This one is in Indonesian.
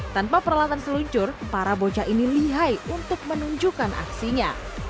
tanpa peralatan seluncur para bocah ini lihai untuk menunjukkan aksinya